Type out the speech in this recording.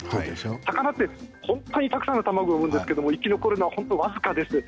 魚って本当にたくさんの卵を産むんですけど生き残るのは僅かです。